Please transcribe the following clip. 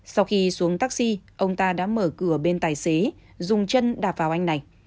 sau khi xuống taxi ông ta đã mở cửa bên tài xế dùng chân đạp vào anh này